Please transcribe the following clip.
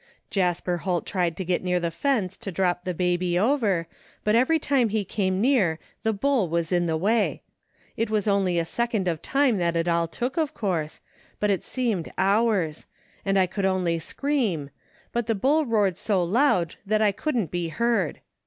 Jasper Holt tried to get near the fence to drop the baby over, but every time he came near the bull was in the way. It was only a second of time that it all took, of course, but it seemed hours; and I could only scream, but the bull roared so loud that I couldn't be heard.